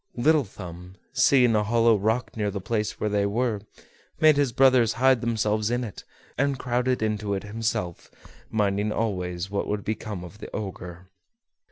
Little Thumb, seeing a hollow rock near the place where they were, made his brothers hide themselves in it, and crowded into it himself, minding always what would become of the Ogre.